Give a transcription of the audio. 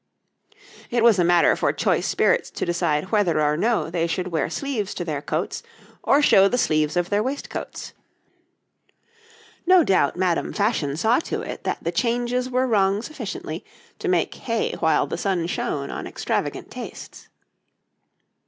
It was a matter for choice spirits to decide whether or no they should wear sleeves to their coats, or show the sleeves of their waistcoats. No doubt Madame Fashion saw to it that the changes were rung sufficiently to make hay while the sun shone on extravagant tastes.